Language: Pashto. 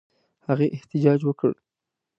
هغې احتجاج وکړ.